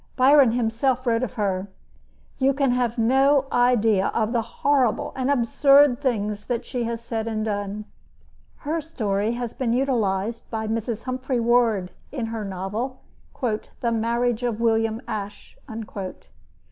Byron himself wrote of her: You can have no idea of the horrible and absurd things that she has said and done. Her story has been utilized by Mrs. Humphry Ward in her novel, "The Marriage of William Ashe."